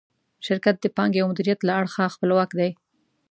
شرکت د پانګې او مدیریت له اړخه خپلواک دی.